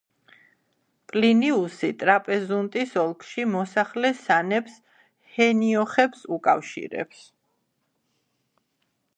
პლინიუსი ტრაპეზუნტის ოლქში მოსახლე სანებს ჰენიოხებს უკავშირებს.